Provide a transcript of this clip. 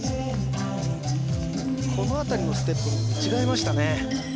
このあたりのステップも見違えましたね